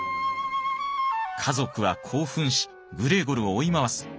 家族は興奮しグレーゴルを追い回す。